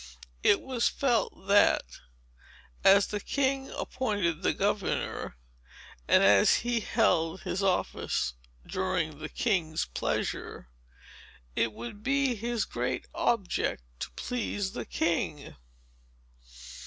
It was felt, that, as the king appointed the governor, and as he held his office during the king's pleasure, it would be his great object to please the king.